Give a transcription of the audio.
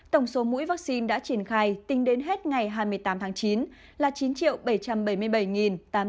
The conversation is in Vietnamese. tổng số mũi vaccine đã triển khai tính đến hết ngày hai mươi tám tháng chín là chín bảy trăm bảy mươi bảy tám trăm bốn mươi mũi